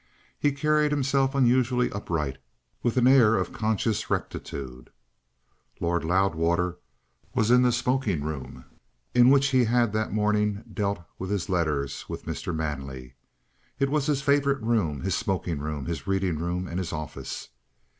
He carried himself unusually upright with an air of conscious rectitude. Lord Loudwater was in the smoking room in which he had that morning dealt with his letters with Mr. Manley. It was his favourite room, his smoking room, his reading room, and his office.